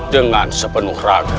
dengan sepenuh raga